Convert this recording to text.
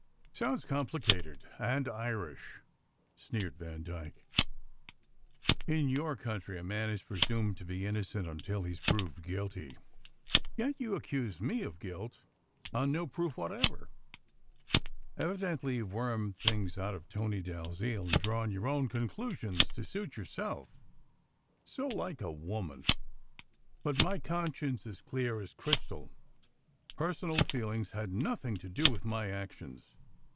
"Sounds complicated and Irish!" sneered Vandyke. "In your country a man is presumed to be innocent until he s proved guilty; yet you accuse me of guilt on no proof whatever. Evidently you ve wormed things out of Tony Dalziel, and drawn your own conclusions to suit yourself. So like a woman! But my conscience is clear as crys tal. Personal feeling has had nothing to do with my actions.